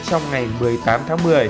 trong ngày một mươi tám tháng một mươi